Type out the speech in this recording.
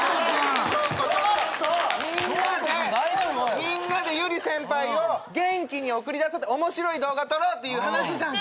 みんなでユリ先輩を元気に送り出そうって面白い動画撮ろうっていう話じゃんか。